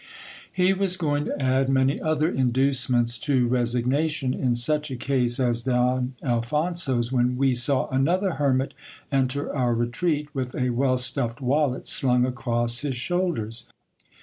He was going to add many other inducements to resignation, in such a case as Don Alphonso's, when we saw another hermit enter our retreat, with a well stuffed wallet slung across his shoulders.